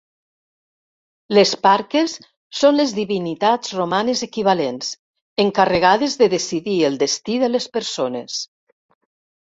Les Parques són les divinitats romanes equivalents, encarregades de decidir el destí de les persones.